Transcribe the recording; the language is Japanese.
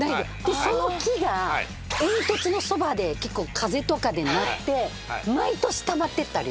その木が煙突のそばで結構風とかでなって毎年たまってった量。